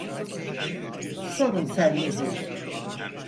Sorun sende değil.